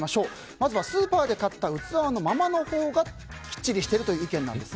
まずはスーパーで買った器のままのほうがきっちりしているという意見。